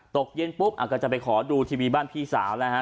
ตกเย็นปุ๊บก็จะไปขอดูทีวีบ้านพี่สาวนะฮะ